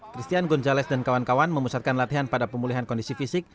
christian gonzalez dan kawan kawan memusatkan latihan pada pemulihan kondisi fisik